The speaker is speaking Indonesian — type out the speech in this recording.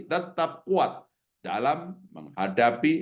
tetap kuat dalam menghadapi